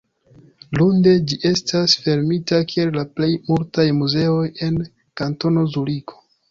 Lunde ĝi estas fermita kiel la plej multaj muzeoj en Kantono Zuriko.